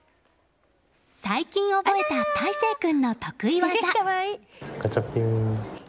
最近覚えた、泰誠君の得意技。